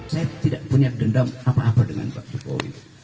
saya tidak punya dendam apa apa dengan pak jokowi